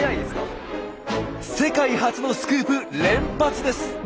世界初のスクープ連発です！